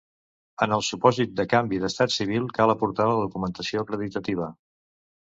En el supòsit de canvi d'estat civil cal aportar la documentació acreditativa.